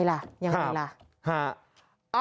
อย่างไงล่ะ